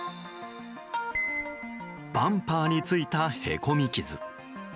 バンパーについた、へこみ傷。